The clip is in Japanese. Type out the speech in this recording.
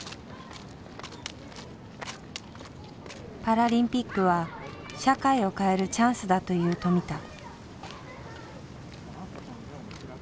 パラリンピックは社会を変えるチャンスだという富田。